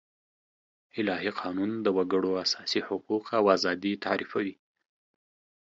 الهي قانون د وګړو اساسي حقوق او آزادي تعريفوي.